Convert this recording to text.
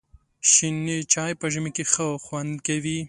شنې چای په ژمي کې ښه خوند کوي.